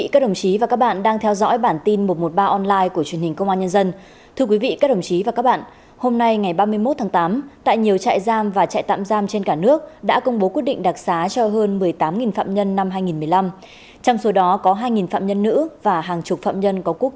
các bạn hãy đăng ký kênh để ủng hộ kênh của chúng mình nhé